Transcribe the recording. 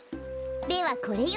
レはこれよ！